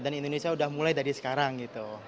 dan indonesia udah mulai dari sekarang gitu